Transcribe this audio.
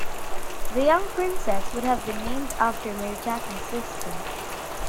The young princess would have been named after Meritaten's sister.